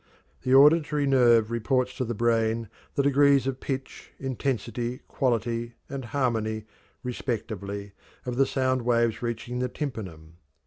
The auditory nerve reports to the brain the degrees of pitch, intensity, quality, and harmony, respectively, of the sound waves reaching the tympanum.